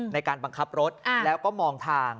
ในการบังคับรถแล้วก็มองทาง